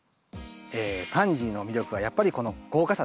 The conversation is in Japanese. パンジーの魅力はやっぱりこの豪華さですね。